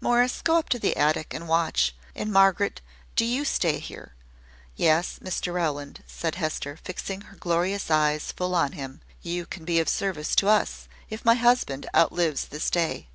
"Morris, go up to the attic and watch; and Margaret, do you stay here. Yes, Mr Rowland," said Hester, fixing her glorious eyes full on him; "you can be of service to us, if my husband outlives this day.